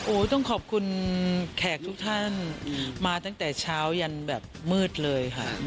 ต้องขอบคุณแขกทุกท่านมาตั้งแต่เช้ายันแบบมืดเลยค่ะ